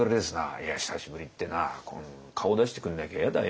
「いや久しぶりってな顔出してくんなきゃ嫌だよ。